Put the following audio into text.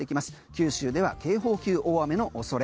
九州では警報級大雨の恐れ。